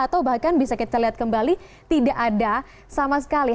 atau bahkan bisa kita lihat kembali tidak ada sama sekali